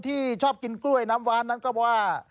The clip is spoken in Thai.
ที่ชอบกินกล้วยน้ำว้านนั้นก็ว่า